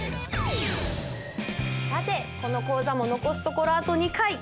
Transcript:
さてこの講座も残すところあと２回。